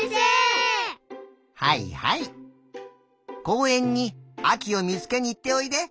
こうえんにあきをみつけにいっておいで。